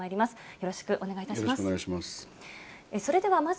よろしくお願いします。